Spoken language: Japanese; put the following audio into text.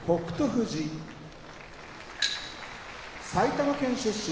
富士埼玉県出身